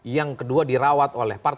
yang kedua dirawat oleh partai